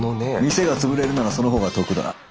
店が潰れるならその方が得だ。